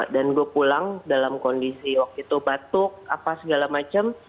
gue pulang dalam kondisi waktu itu batuk apa segala macam